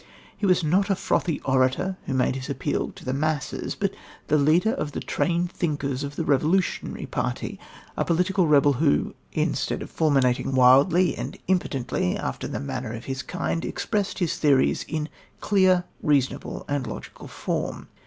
He was not a frothy orator who made his appeal to the masses, but the leader of the trained thinkers of the revolutionary party, a political rebel who, instead of fulminating wildly and impotently after the manner of his kind, expressed his theories in clear, reasonable and logical form.